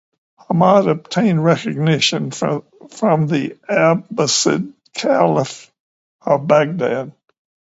Hammad obtained recognition from the Abbasid Caliph of Baghdad.